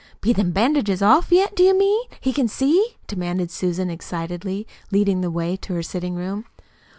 "Be them bandages off yet? Do you mean he can see?" demanded Susan excitedly, leading the way to the sitting room.